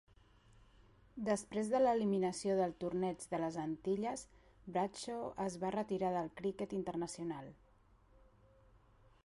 Després de l'eliminació del torneig de les Antilles, Bradshaw es va retirar del criquet internacional.